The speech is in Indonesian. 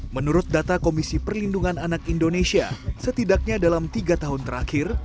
menurut data komisi perlindungan anak indonesia setidaknya dalam tiga tahun terakhir